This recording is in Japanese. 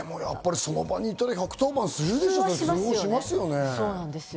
その場にいたら１１０番するでしょう。